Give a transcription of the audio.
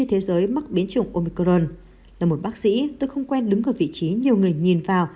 tới mắc biến chủng omicron là một bác sĩ tôi không quen đứng ở vị trí nhiều người nhìn vào